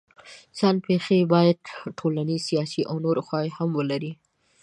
ځان پېښې باید ټولنیز، سیاسي او نورې خواوې هم ولري.